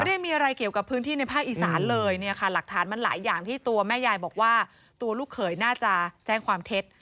ไม่ได้มีอะไรเกี่ยวกับพื้นที่ในภาคอีสานเลยเนี่ยค่ะหลักฐานมันหลายอย่างที่ตัวแม่ยายบอกว่าตัวลูกเขยน่าจะแจ้งความเท็จ